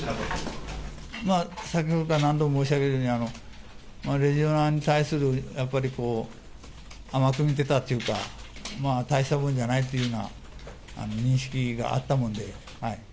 まあ、先ほどから何度も申し上げるように、レジオネラに対する、やっぱりこう、甘く見てたっていうか、大したものじゃないというような認識があったもんで。